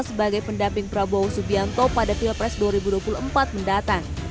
sebagai pendamping prabowo subianto pada pilpres dua ribu dua puluh empat mendatang